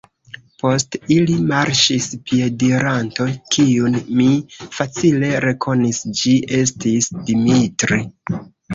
Post ili marŝis piediranto, kiun mi facile rekonis: ĝi estis Dimitri.